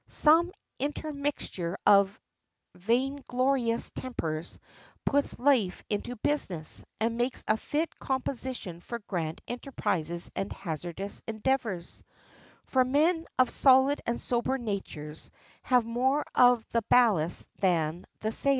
Some intermixture of vainglorious tempers puts life into business, and makes a fit composition for grand enterprises and hazardous endeavors; for men of solid and sober natures have more of the ballast than the sail.